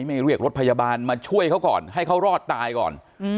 เรียกรถพยาบาลมาช่วยเขาก่อนให้เขารอดตายก่อน